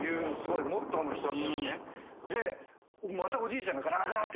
でまたおじいちゃんがガラガラガラッて。